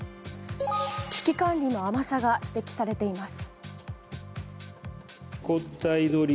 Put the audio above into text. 危機管理の甘さが指摘されています。